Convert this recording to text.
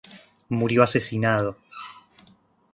Murió asesinado.